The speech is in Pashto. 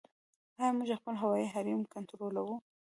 آیا موږ خپل هوایي حریم کنټرولوو؟